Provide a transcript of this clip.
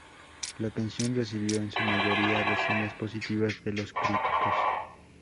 La canción recibió en su mayoría reseñas positivas de los críticos.